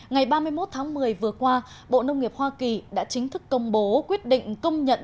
ngày ba mươi một tháng một mươi vừa qua bộ nông nghiệp hoa kỳ đã chính thức công bố quyết định công nhận